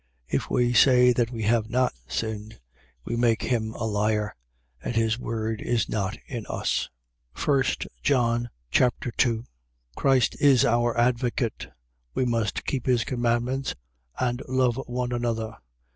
1:10. If we say that we have not sinned, we make him a liar: and his word is not in us. 1 John Chapter 2 Christ is our advocate. We must keep his commandments and love one another.